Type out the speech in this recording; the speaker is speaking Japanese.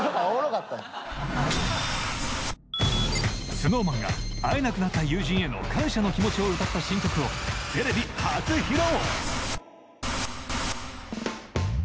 ＳｎｏｗＭａｎが会えなくなった友人への感謝の気持ちを歌った新曲をテレビ初披露！